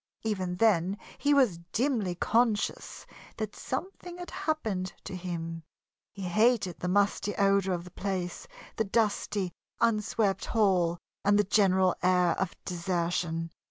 Even then he was dimly conscious that something had happened to him. He hated the musty odor of the place, the dusty, unswept hall, and the general air of desertion.